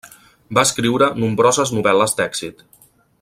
Va escriure nombroses novel·les d'èxit.